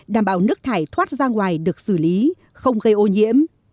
đảm bảo nước thải thoát ra ngoài được xử lý không gây ô nhiễm